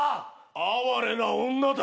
哀れな女だ。